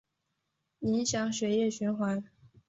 影响血液循环